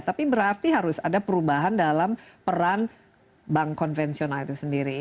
tapi berarti harus ada perubahan dalam peran bank konvensional itu sendiri